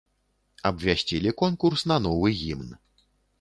Абвясцілі конкурс на новы гімн.